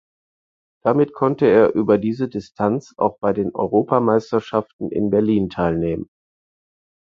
Damit konnte er über diese Distanz auch bei den Europameisterschaften in Berlin teilnehmen.